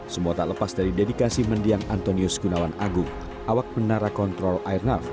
semua tak lepas dari dedikasi mendiang antonius gunawan agung awak menara kontrol airnav